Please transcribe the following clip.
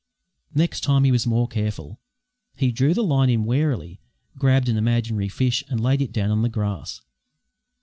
Next time he was more careful. He drew the line in warily, grabbed an imaginary fish and laid it down on the grass.